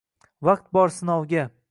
vaqt bor sinovga.